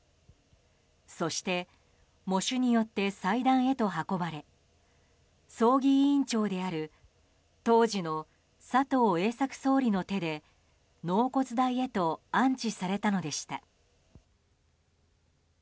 そして、喪主によって祭壇へと運ばれ葬儀委員長である当時の佐藤栄作総理の手で納骨台へと安置されたのでした。